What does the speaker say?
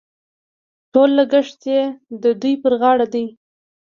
ټول لګښت یې د دوی پر غاړه دي.